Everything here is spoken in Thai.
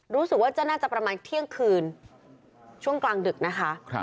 รู้สึกว่าจะน่าจะประมาณเที่ยงคืนช่วงกลางดึกนะคะ